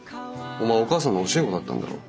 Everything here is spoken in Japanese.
お前お母さんの教え子だったんだろ。